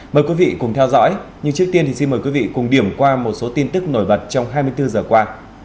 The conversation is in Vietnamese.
mời quý vị cùng theo dõi nhưng trước tiên thì xin mời quý vị cùng điểm qua một số tin tức nổi bật trong hai mươi bốn giờ qua